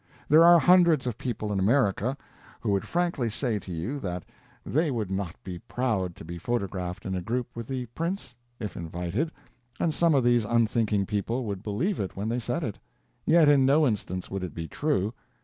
There are hundreds of people in America who would frankly say to you that they would not be proud to be photographed in a group with the Prince, if invited; and some of these unthinking people would believe it when they said it; yet in no instance would it be true.